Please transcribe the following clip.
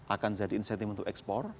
akan jadi insentif untuk ekspor